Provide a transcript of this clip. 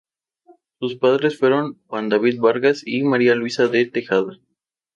Sus padres fueron Juan David Vargas y Maria Luisa de Tejada.